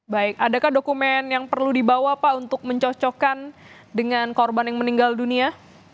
baik adakah dokumen yang perlu dibawa pak untuk mencocokkan dengan korban yang meninggal dunia